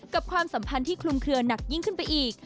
ความสัมพันธ์ที่คลุมเคลือหนักยิ่งขึ้นไปอีก